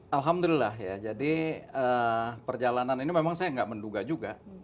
alhamdulillah jadi perjalanan ini memang saya tidak menduga juga